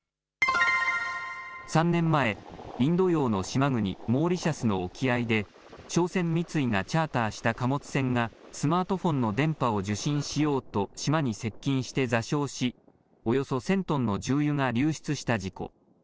３年前、インド洋の島国、モーリシャスの沖合で商船三井がチャーターした貨物船がスマートフォンの電波を受信しようと島に接近して座礁しおよそ１０００トンの重油が流出した事故。